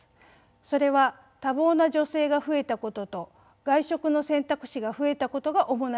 それは多忙な女性が増えたことと外食の選択肢が増えたことが主な原因です。